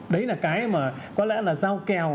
đấy là cái mà có lẽ là giao kèo